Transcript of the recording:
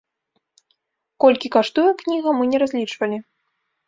Колькі каштуе кніга, мы не разлічвалі.